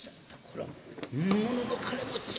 これは本物の金持ちやな。